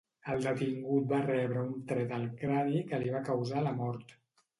El detingut va rebre un tret al crani que li va causar la mort.